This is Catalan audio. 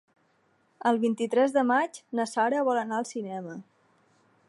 El vint-i-tres de maig na Sara vol anar al cinema.